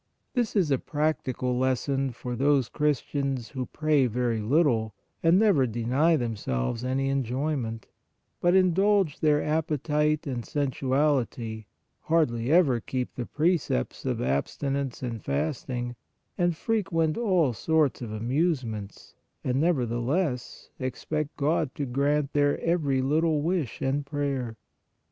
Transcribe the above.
This is a practical lesson for those Christians, who pray very little and never deny themselves any enjoyment, but indulge their appe tite and sensuality, hardly ever keep the precepts of abstinence and fasting, and frequent all sorts of amusements, and nevertheless expect God to grant their every little wish and prayer.